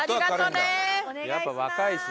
やっぱ若いしね。